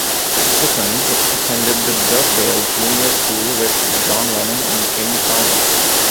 Sissons attended the Dovedale Junior School with John Lennon and Jimmy Tarbuck.